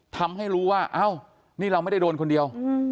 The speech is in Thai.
ทำให้รู้ว่าอ้าวนี่เราไม่ได้โดนคนเดียว